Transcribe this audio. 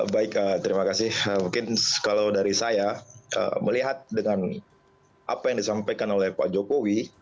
baik terima kasih mungkin kalau dari saya melihat dengan apa yang disampaikan oleh pak jokowi